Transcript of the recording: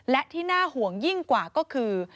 และที่น่าห่วงยิ่งกว่าก็คือ